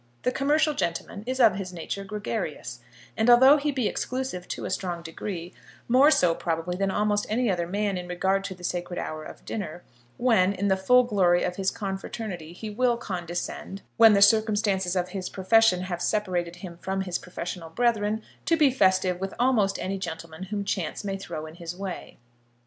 The commercial gentleman is of his nature gregarious, and although he be exclusive to a strong degree, more so probably than almost any other man in regard to the sacred hour of dinner, when in the full glory of his confraternity, he will condescend, when the circumstances of his profession have separated him from his professional brethren, to be festive with almost any gentleman whom chance may throw in his way.